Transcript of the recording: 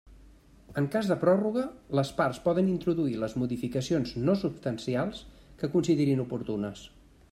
En cas de pròrroga, les parts poden introduir les modificacions no substancials que considerin oportunes.